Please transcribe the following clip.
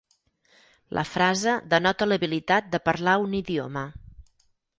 La frase denota l'habilitat de parlar un idioma.